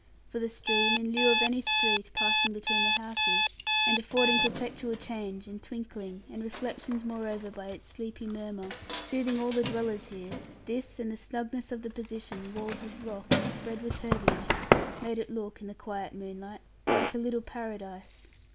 For the stream, in lieu of any street, passing between the houses, and affording perpetual change, and twinkling, and reflections moreover by its sleepy murmur soothing all the dwellers there, this and the snugness of the position, walled with rock and spread with herbage, made it look, in the quiet moonlight, like a little paradise.